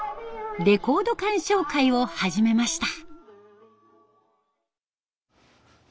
レコード鑑賞会を始めました。